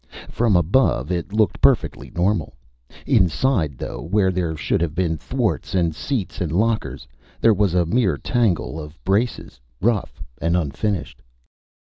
From above, it looked perfectly normal. Inside, though, where there should have been thwarts and seats and lockers, there was a mere tangle of braces, rough and unfinished.